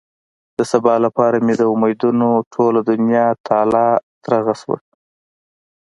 د سبا لپاره مې د امېدونو ټوله دنيا تالا ترغه شي.